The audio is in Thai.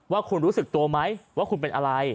ว่าคุณรู้สึกตัวไหมว่าคุณเป็นอะไร